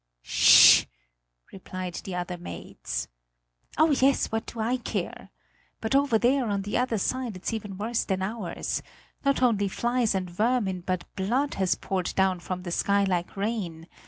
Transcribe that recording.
"Sh! Sh!" replied the other maids. "Oh, yes, what do I care! But over there, on the other side, it's even worse than ours. Not only flies and vermin, but blood has poured down from the sky like rain.